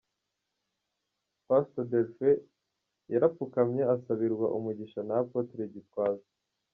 Pastor Delphin yarapfukamye asabirwa umugisha na Apotre Gitwaza.